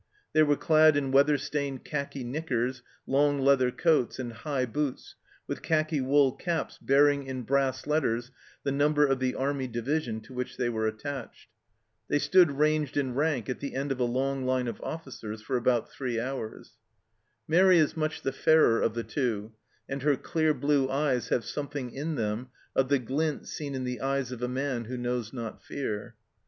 They were clad in weather stained khaki knickers, long leather coats, and high boots, with khaki wool caps bearing in brass letters the number of the army division to which they were attached. They stood ranged in rank at the end of a long line of officers for about three hours. Mairi is much the fairer of the two, and her clear blue eyes have something in them of the glint seen in the eyes of a man who knows not fear.